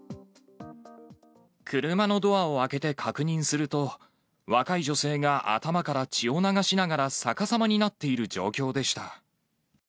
車のドアを開けて確認すると、若い女性が頭から血を流しながら逆さまになっている状況でした。